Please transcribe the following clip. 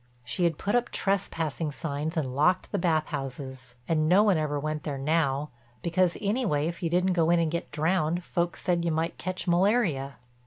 She had put up trespassing signs and locked the bath houses, and no one ever went there now, because, anyway if you didn't go in and get drowned, folks said you might catch malaria.